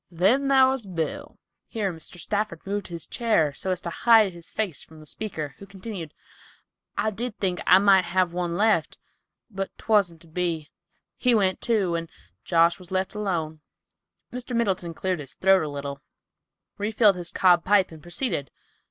Then thar was Bill." Here Mr. Stafford moved his chair so as to hide his face from the speaker, who continued, "I did think I might have one left, but 'twasn't to be. He went, too, and Josh was left alone." Mr. Middleton cleared his throat a little, refilled his cob pipe, and proceeded.